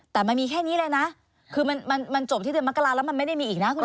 แต่มันมีแค่นี้เลยนะคือมันจบที่เดือนมกราแล้วมันไม่ได้มีอีกนะคุณผู้ชม